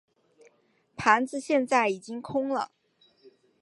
盘子现在已经空了。